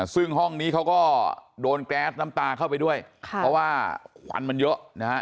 ซึ่งห้องนี้เขาก็โดนแก๊สน้ำตาเข้าไปด้วยเพราะว่าควันมันเยอะนะฮะ